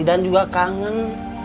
idan juga kangen